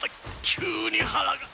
急に腹が。